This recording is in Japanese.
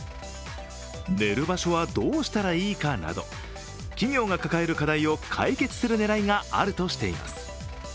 寝る場所はどうしたらいいかなど、企業が抱える課題を解決する狙いがあるとしています。